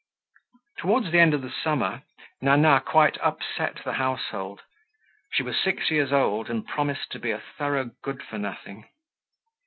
Towards the end of the summer, Nana quite upset the household. She was six years old and promised to be a thorough good for nothing.